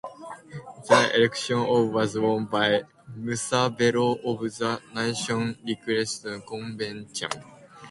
The election was won by Musa Bello of the National Republican Convention.